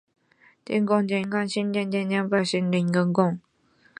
金国均为嘉庆二十五年进士金光杰之子。